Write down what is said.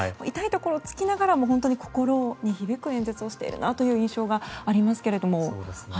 痛いところを突きながらも本当に心に響く演説をしているなという印象がありますけれど。